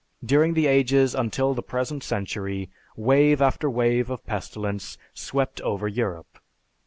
During the ages until the present century, wave after wave of pestilence swept over Europe.